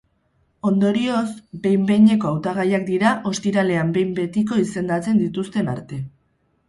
Ondorioz, behin-behineko hautagaiak dira, ostiralean behin betiko izendatzen dituzten arte.